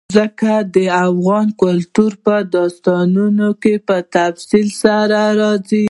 ځمکه د افغان کلتور په داستانونو کې په تفصیل سره راځي.